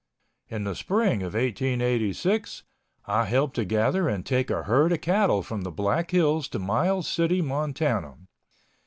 In the spring of 1886 I helped to gather and take a herd of cattle from the Black Hills to Miles City, Montana.